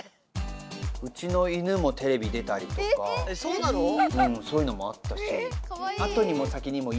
うちの犬もテレビ出たりとかそういうのもあったし。